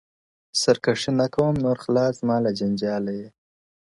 سرکښي نه کوم نور خلاص زما له جنجاله یې.